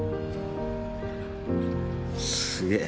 すげえ。